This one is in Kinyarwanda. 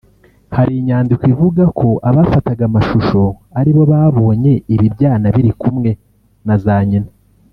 hari inyandiko ivuga ko abafataga amashusho aribo babonye ibi byana biri kumwe na za nyina